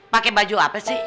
pake baju apa sih